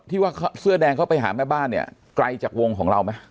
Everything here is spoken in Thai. ว่าเสื้อแดงเขาไปหาแม่บ้านเนี่ยไกลจากวงของเราไหม